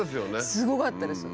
すごかったです。